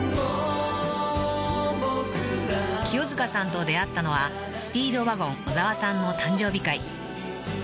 ［清塚さんと出会ったのはスピードワゴン小沢さんの誕生日会］